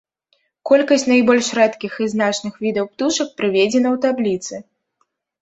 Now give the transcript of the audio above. Колькасць найбольш рэдкіх і значных відаў птушак прыведзена ў табліцы.